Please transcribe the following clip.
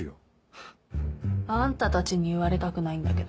フッあんたたちに言われたくないんだけど。